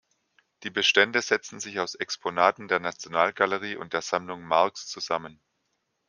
Die Bestände setzen sich aus Exponaten der Nationalgalerie und der Sammlung Marx zusammen.